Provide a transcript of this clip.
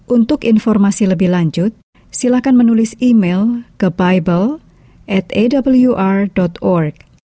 untuk informasi lebih lanjut silahkan menulis email ke bible atawr org